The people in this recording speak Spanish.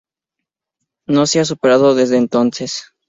No se ha superado desde entonces.